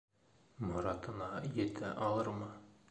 Моратына етә алырмы?